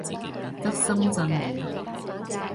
得深圳冇